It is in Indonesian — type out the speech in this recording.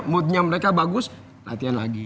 moodnya mereka bagus latihan lagi